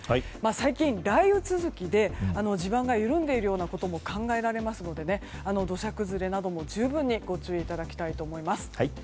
最近、雷雨続きで地盤が緩んでいるようなことも考えられますので土砂崩れなども十分にご注意いただきたいと思います。